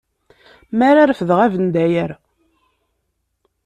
Mi ara refdeɣ abendayer.